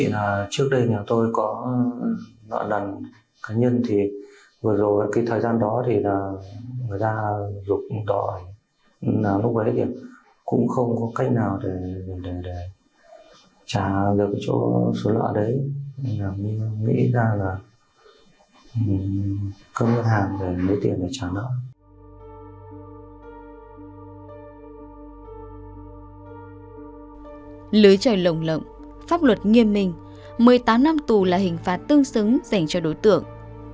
lưới trời lồng lộng pháp luật nghiêm minh một mươi tám năm tù là hình phạt tương xứng dành cho đối tượng